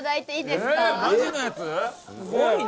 すごいな！